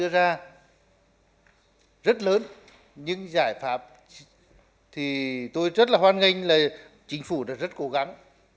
rất lớn những giải pháp thì tôi rất là hoan nghênh là chính phủ đã rất cố gắng